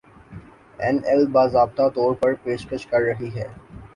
اینایل باضابطہ طور پر پیشکش کر رہی ہے